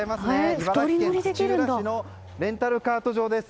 茨城県土浦市のレンタルカート場です。